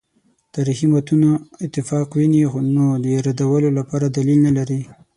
تاریخي متونو اتفاق ویني نو د ردولو لپاره دلیل نه لري.